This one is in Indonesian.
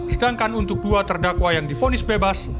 sedangkan untuk dua terdakwa yang difonis bebas